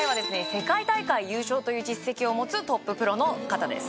世界大会優勝という実績を持つトッププロの方です